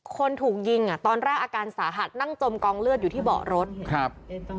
คนถูกยิงอ่ะตอนแรกอาการสาหัสนั่งจมกองเลือดอยู่ที่เบาะรถครับ